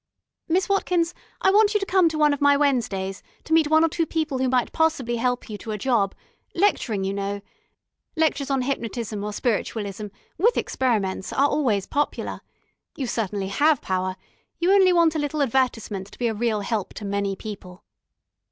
Miss Watkins, I want you to come to one of my Wednesdays to meet one or two people who might possibly help you to a job lecturing, you know. Lectures on hypnotism or spiritualism, with experiments, are always popular. You certainly have Power, you only want a little advertisement to be a real help to many people."